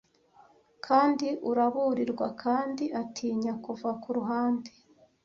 Kandi araburirwa, kandi atinya kuva ku ruhande.